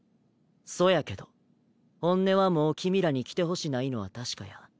そやけど本音はもう君らに来てほしないのは確かや。